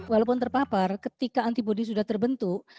walaupun terpapar ketika antibody sudah terbentuk